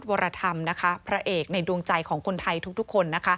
ขุนโอวรุษร์วรภัมพ์พระเอกในดวงใจของคนไทยทุกคน